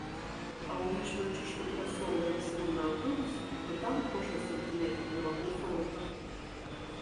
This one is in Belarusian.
А ўлічваючы, што перасоўваемся мы на аўтобусе, то там кожны сантыметр на вагу золата.